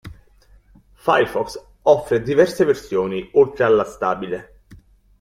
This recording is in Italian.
Firefox offre diverse versioni oltre alla stabile.